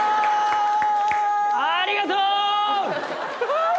ありがとう！